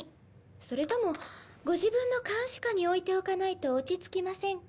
それともご自分の監視下に置いておかないと落ち着きませんか？